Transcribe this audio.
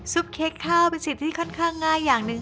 ซุปเค้กข้าวเป็นสิ่งที่ค่อนข้างง่ายอย่างนึงค่ะ